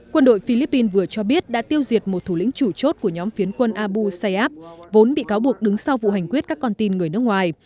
quân đội philippines vừa cho biết đã tiêu diệt một thủ lĩnh chủ chốt của nhóm phiến quân abu sayab vốn bị cáo buộc đứng sau vụ hành quyết các con tin người nước ngoài